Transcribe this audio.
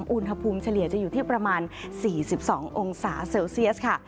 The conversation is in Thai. อุณหภูมิเฉลี่ยจะอยู่ที่ประมาณ๔๒องศาเซลเซียสค่ะ